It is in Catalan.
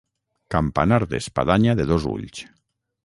Campanar d'espadanya de dos ulls.